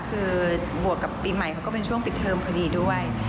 คือบวกกับปีใหม่เขาก็เป็นช่วงปิดเทิมพอดีด้วย